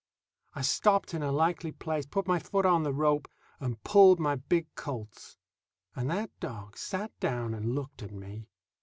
I stopped in a likely place, put my foot on the rope, and pulled my big Colt's. And that dog sat down and looked at me.